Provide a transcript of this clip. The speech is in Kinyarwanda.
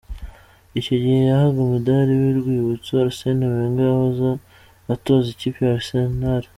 Icyo gihe yahaga umudari w'urwibutso Arsène Wenger wahoze atoza ikipe ya Arsenal.